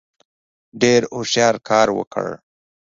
ډېر هوښیار کار وکړ.